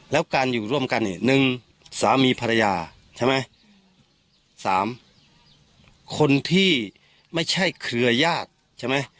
แล้วการอยู่ร่วมกันเนี่ยหนึ่งสามีภรรยาใช่ไหมสามคนที่ไม่ใช่เครือญาติใช่ไหม